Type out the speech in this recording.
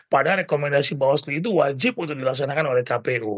padahal rekomendasi bawaslu itu wajib untuk dilaksanakan oleh kpu